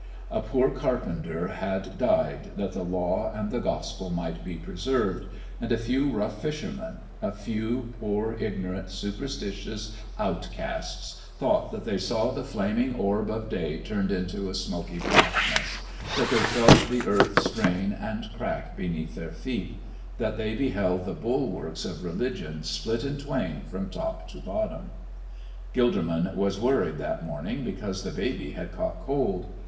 A poor carpenter had died that the Law and the Gospel might be preserved, and a few rough fishermen a few poor, ignorant, superstitious outcasts thought that they saw the flaming orb of day turned into a smoky blackness; that they felt the earth strain and crack beneath their feet; that they beheld the bulwarks of religion split in twain from top to bottom. Gilderman was worried that morning because the baby had caught cold.